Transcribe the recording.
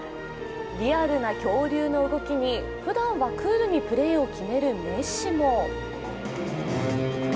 リアルな恐竜の動きにふだんはクールにプレーを決めるメッシも。